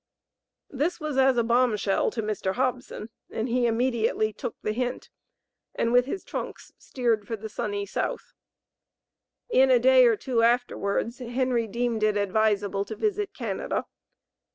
This was as a bomb shell to Mr. Hobson, and he immediately took the hint, and with his trunks steered for the sunny South. In a day or two afterwards Henry deemed it advisable to visit Canada.